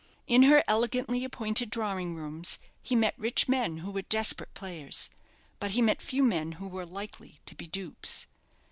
In her elegantly appointed drawing rooms he met rich men who were desperate players; but he met few men who were likely to be dupes.